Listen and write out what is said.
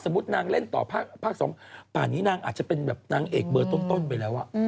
นางเล่นต่อภาค๒ป่านี้นางอาจจะเป็นแบบนางเอกเบอร์ต้นไปแล้ว